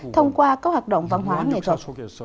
thông qua các hoạt động văn hóa nghệ thuật